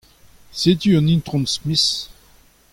Setu an It. Smith.